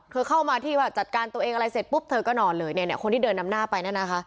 เข้ามาที่ว่าจัดการตัวเองอะไรเสร็จปุ๊บเธอก็นอนเลยเนี่ยคนที่เดินนำหน้าไปนั่นนะคะ